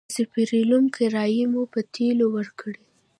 د سپرليو کرايې مې په تيلو ورکړې.